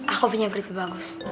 aku punya berita bagus